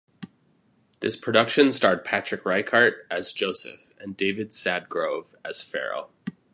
This production starred Patrick Ryecart as Joseph and David Sadgrove as Pharaoh.